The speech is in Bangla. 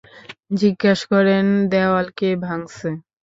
জিজ্ঞাস করেন দেয়াল কে ভাঙসে।